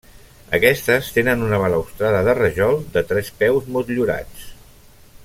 Aquestes tenen una balustrada de rajol de tres peus motllurats.